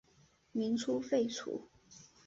民初废除。